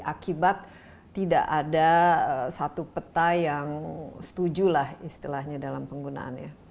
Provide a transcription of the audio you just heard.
akibat tidak ada satu peta yang setuju lah istilahnya dalam penggunaannya